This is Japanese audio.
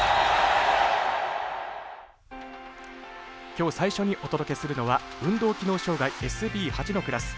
きょう最初にお届けするのは運動機能障がいＳＢ８のクラス。